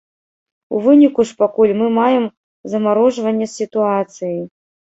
У выніку ж пакуль мы маем замарожванне сітуацыі.